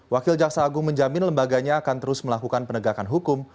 wakil jaksa agung menjamin lembaganya akan terus melakukan penegakan hukum